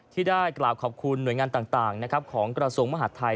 ที่ได้กล่าวขอบคุณหน่วยงานต่างของกระทรวงมหาดไทย